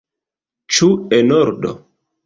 Ĉu en ordo?